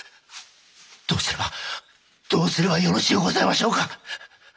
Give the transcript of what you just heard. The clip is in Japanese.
どうすればどうすればよろしゅうございましょうか？